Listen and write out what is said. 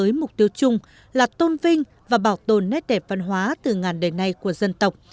với mục tiêu chung là tôn vinh và bảo tồn nét đẹp văn hóa từ ngàn đời nay của dân tộc